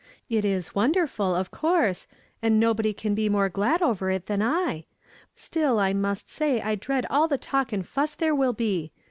It is wonderful, of course, and nobody can be more glad over it than I ; still, I must say I dread all the talk and fuss there will be.